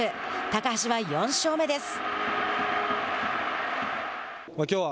高橋は４勝目です。